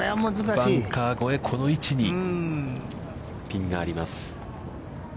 バンカー越え、この位置にピンがあります。